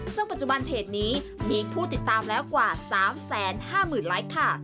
ซึ่งปัจจุบันเพจนี้มีผู้ติดตามแล้วกว่า๓๕๐๐๐ไลค์ค่ะ